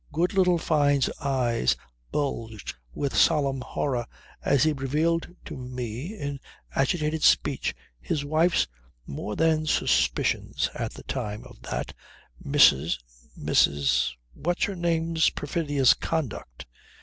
Good little Fyne's eyes bulged with solemn horror as he revealed to me, in agitated speech, his wife's more than suspicions, at the time, of that, Mrs., Mrs. What's her name's perfidious conduct.